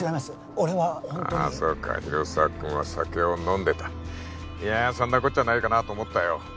俺はホントにああそうか広沢君は酒を飲んでたいやそんなこっちゃないかと思ったよ